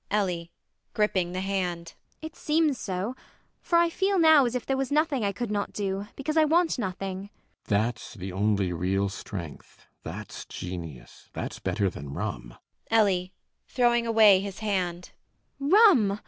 ELLIE [gripping the hand]. It seems so; for I feel now as if there was nothing I could not do, because I want nothing. CAPTAIN SHOTOVER. That's the only real strength. That's genius. That's better than rum. ELLIE [throwing away his hand]. Rum!